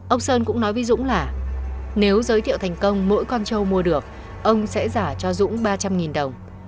ông sơn cũng nói với dũng là nếu giới thiệu thành công mỗi con trâu mua được ông sẽ giả cho dũng ba trăm linh đồng